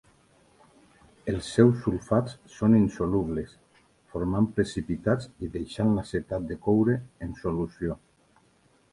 Els seus sulfats són insolubles, formant precipitats i deixant l'acetat de coure en solució.